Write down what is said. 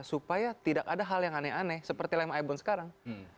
supaya tidak ada hal yang aneh aneh seperti lema ibon sekarang